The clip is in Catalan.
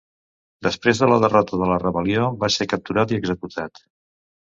Després de la derrota de la rebel·lió va ser capturat i executat.